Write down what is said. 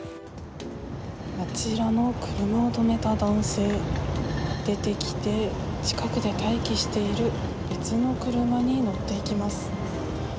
あちらの車を止めた男性出てきて、近くで待機している別の車に乗っていきます。